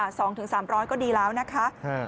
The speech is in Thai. ๒๓๐๐บาทก็ดีแล้วนะคะ